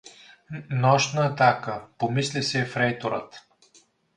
Нощна атака — помисли си ефрейторът.